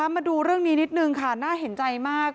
มาดูเรื่องนี้นิดนึงค่ะน่าเห็นใจมาก